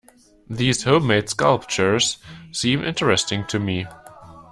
These home-made sculptures seem interesting to me.